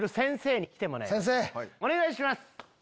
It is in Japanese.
お願いします。